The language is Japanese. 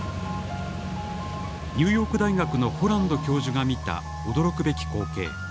ニューヨーク大学のホランド教授が見た驚くべき光景。